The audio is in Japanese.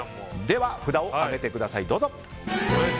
では、札を上げてください。